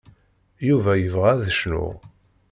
Yuba yebɣa ad cnuɣ.